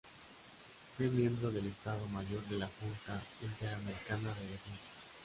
Fue miembro del Estado Mayor de la Junta Interamericana de Defensa.